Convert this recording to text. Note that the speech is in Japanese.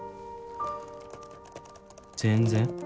全然。